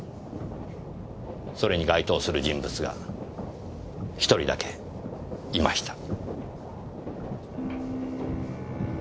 それに該当する人物が１人だけいました。